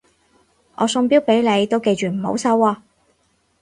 我送錶俾你都記住唔好收喎